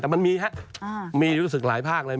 แต่มันมีครับมีรู้สึกหลายภาคเลย